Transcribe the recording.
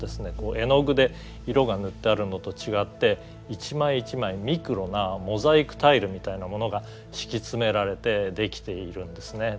絵の具で色が塗ってあるのと違って一枚一枚ミクロなモザイクタイルみたいなものが敷き詰められてできているんですね。